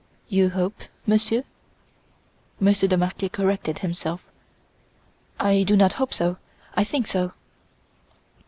"You hope, Monsieur?" Monsieur de Marquet corrected himself. "I do not hope so, I think so."